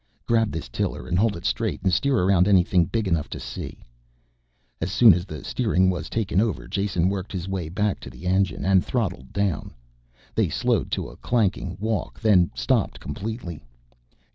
"Grab this tiller and hold it straight and steer around anything big enough to see." As soon as the steering was taken over Jason worked his way back to the engine and throttled down; they slowed to a clanking walk then stopped completely.